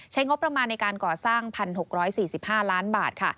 งบประมาณในการก่อสร้าง๑๖๔๕ล้านบาทค่ะ